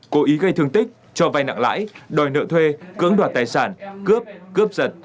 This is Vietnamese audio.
cố ý gây thương tích cho vai nặng lãi đòi nợ thuê cưỡng đoạt tài sản cướp cướp giật